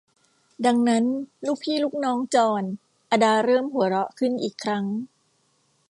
ดังนั้น ลูกพี่ลูกน้องจอร์น อดาเริ่มหัวเราะขึ้นอีกครั้ง